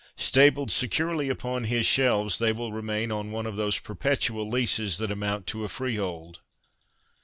Stabled securely upon his shelves, they will remain on one of those perpetual leases that amount to a freehold.